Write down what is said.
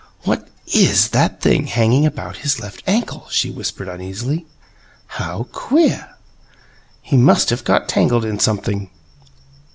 "What IS that thing hanging about his left ankle?" she whispered uneasily. "How queer! He must have got tangled in something."